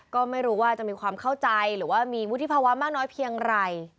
ก็ไม่รู้ว่าจะมีความเข้าใจหรือว่ามีวุฒิภาวะมากน้อยเพียงไร